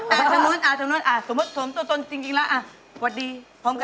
อ่าทำนู้นสมมติตัวตนจริงแล้วอ่ะสวัสดีพร้อมกัน